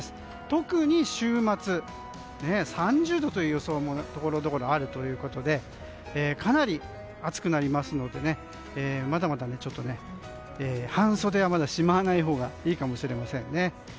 特に週末、３０度という予想もところどころありかなり暑くなりますのでまだまだ半袖はしまわないほうがいいかもしれませんね。